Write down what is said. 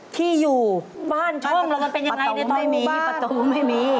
ที่อยู่บ้านช่วงประตูไม่มี